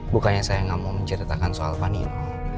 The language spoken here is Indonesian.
bukannya saya gak mau menceritakan soal panino